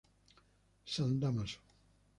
San Dámaso